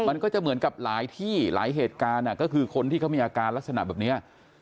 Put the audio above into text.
มันก็จะเหมือนกับหลายที่หลายเหตุการณ์ก็คือคนที่เขามีอาการลักษณะแบบนี้